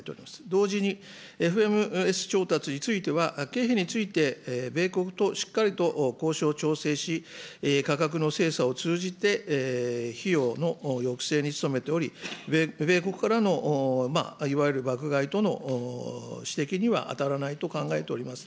同時に、ＦＭＳ調達については、経費について、米国としっかりと交渉調整し、価格の精査を通じて、費用の抑制に努めており、米国からのいわゆる爆買いとの指摘には当たらないと考えております。